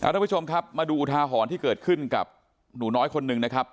ทุกผู้ชมครับมาดูอุทาหรณ์ที่เกิดขึ้นกับหนูน้อยคนหนึ่งนะครับ